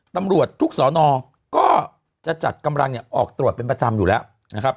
ตำรวจทุกสอนอก็จะจัดกำลังเนี่ยออกตรวจเป็นประจำอยู่แล้วนะครับ